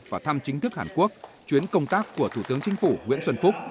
và thăm chính thức hàn quốc chuyến công tác của thủ tướng chính phủ nguyễn xuân phúc